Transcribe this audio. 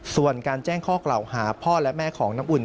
ส่วนการแจ้งข้อกล่าวหาพ่อและแม่ของน้ำอุ่น